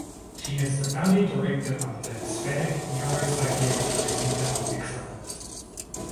She is the founding director of the Hispanic Neuropsychiatric Center of Excellence.